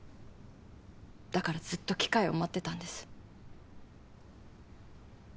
だからずっと機会を待ってたんです。